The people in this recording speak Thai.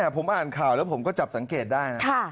ผมอ่านข่าวแล้วผมก็จับสังเกตได้นะ